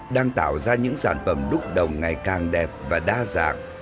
đang tạo ra những sản phẩm đúc đồng ngày càng đẹp và đa dạng